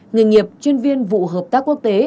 người nghiệp chuyên viên vụ hợp tác quốc tế